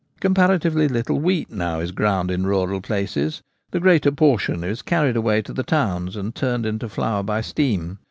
Comparatively little wheat now is ground in rural places ; the greater portion is carried away to the towns and turned into flour by steam.